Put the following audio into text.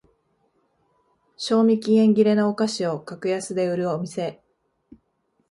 賞味期限切れのお菓子を格安で売るお店